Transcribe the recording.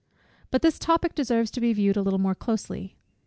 But this topic deserves to be viewed a little more closely.